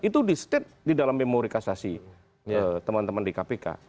itu di state di dalam memori kasasi teman teman di kpk